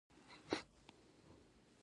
پروګرامونه په ښه توګه تطبیق او اصلاح کوي.